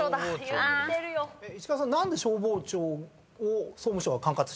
石川さん何で消防庁を総務省が管轄してるんですか？